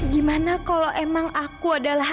gimana kalau emang aku adalah